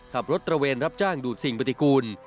ตระเวนรับจ้างดูดสิ่งปฏิกูล